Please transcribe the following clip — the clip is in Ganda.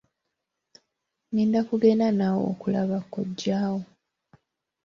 Ngenda kugenda nawe okulaba kojja wo.